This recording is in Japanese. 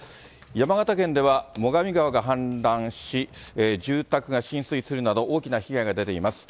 山形県では最上川が氾濫し、住宅が浸水するなど、大きな被害が出ています。